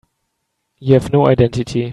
You have no identity.